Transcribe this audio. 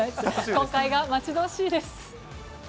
公開が待ち遠しいです。